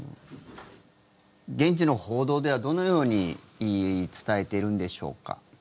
現地の報道ではどのように伝えているんでしょうか？